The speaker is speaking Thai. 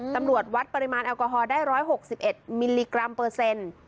วัดปริมาณแอลกอฮอลได้๑๖๑มิลลิกรัมเปอร์เซ็นต์